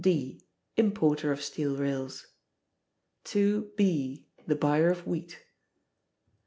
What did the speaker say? D [importer of steel rails]. To B [the buyer of wheat].